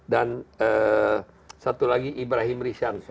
dan satu lagi ibrahim rishan